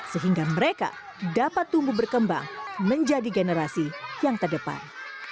sehingga mereka dapat tumbuh berkembang menjadi generasi yang terdepan